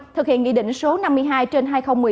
thực hiện nghị định số năm mươi hai trên hai nghìn một mươi tám